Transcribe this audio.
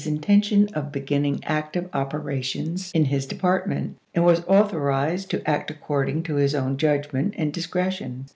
intention of beginning active operations in his ^pf]2"' department, and was authorized to act according Gmmme? to his own judgment and discretion.